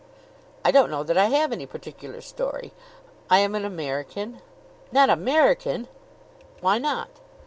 "I don't know that I have any particular story. I am an American." "Not American!" "Why not?"